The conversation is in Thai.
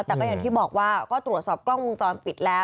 แต่ก็อย่างที่บอกว่าก็ตรวจสอบกล้องวงจรปิดแล้ว